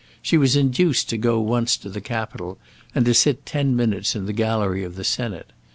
She was induced to go once to the Capitol and to sit ten minutes in the gallery of the Senate.